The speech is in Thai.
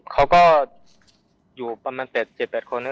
เขาก็อยู่ประมาณ๗๘คน